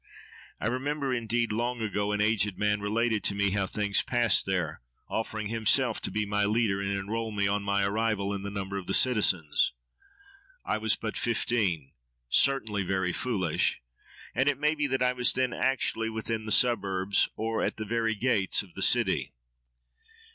I remember, indeed, long ago an aged man related to me how things passed there, offering himself to be my leader, and enrol me on my arrival in the number of the citizens. I was but fifteen—certainly very foolish: and it may be that I was then actually within the suburbs, or at the very gates, of the city.